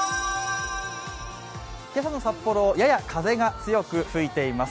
今朝の札幌、やや風が強く吹いています。